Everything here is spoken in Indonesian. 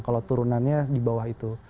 kalau turunannya di bawah itu